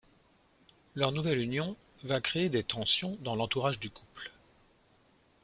Leur nouvelle union va créer des tensions dans l'entourage du couple.